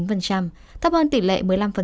số trẻ cần nghiêm gan chín thấp hơn tỷ lệ một mươi năm